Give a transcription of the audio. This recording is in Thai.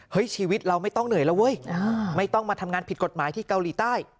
ชีวิตเราไม่ต้องเหนื่อยแล้วเว้ยไม่ต้องมาทำงานผิดกฎหมายที่เกาหลีใต้